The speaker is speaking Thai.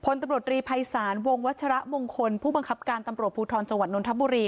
ตำรวจรีภัยศาลวงวัชระมงคลผู้บังคับการตำรวจภูทรจังหวัดนทบุรี